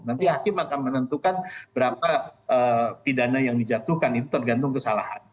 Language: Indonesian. nanti hakim akan menentukan berapa pidana yang dijatuhkan itu tergantung kesalahan